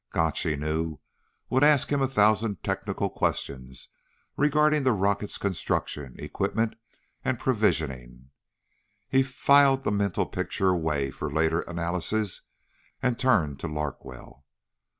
Gotch, he knew, would ask him a thousand technical questions regarding the rocket's construction, equipment, and provisioning. He filed the mental pictures away for later analysis and turned to Larkwell.